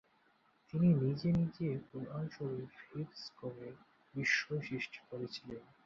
তিনি নিজে নিজে কোরআন শরীফ হিফজ করে বিস্ময় সৃষ্টি করেছিলেন।